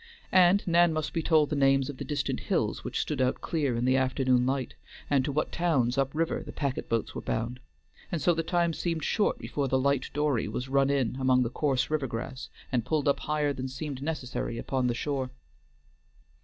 And Nan must be told the names of the distant hills which stood out clear in the afternoon light, and to what towns up river the packet boats were bound, and so the time seemed short before the light dory was run in among the coarse river grass and pulled up higher than seemed necessary upon the shore.